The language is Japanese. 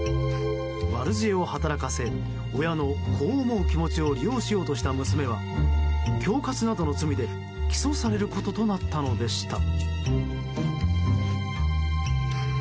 悪知恵を働かせ親の、子を思う気持ちを利用しようとした娘は恐喝などの罪で起訴されることとなったのでした。